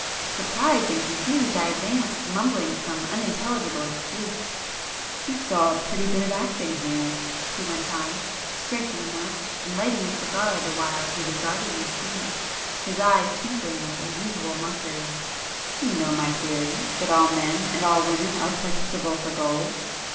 Surprised and confused, I advanced, mumbling some unintelligible excuse. "You saw a pretty bit of acting here," he went on, striking a match and lighting a cigar the while he regarded me coolly, his eyes twinkling with their usual mockery—"you know my theory, that all men and all women are purchaseable for gold?